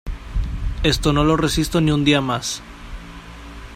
Esto no lo resisto ni un día más.